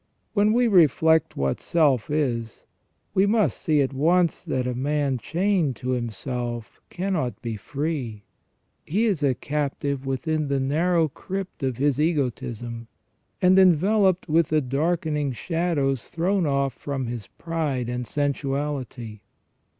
When we reflect what self is, we nmst see at once that a man chained to himself cannot be free. He is a captive within the narrow crypt of his egotism, and enveloped with the darken ing shadows thrown off from his pride and sensuality.